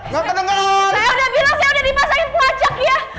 saya udah bilang saya udah dipasangin pelacak ya